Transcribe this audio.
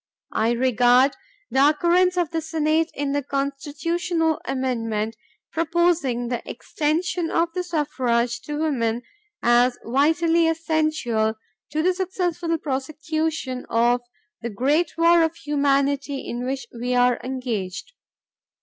I regard the concurrence of the Senate in the constitutional amendment proposing the extension of the suffrage to women as vitally essential to the successful prosecution of the great war of humanity in which we are engaged.